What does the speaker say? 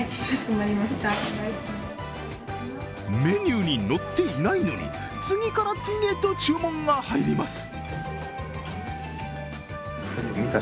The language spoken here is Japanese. メニューに載っていないのに、次から次へと注文が入ります。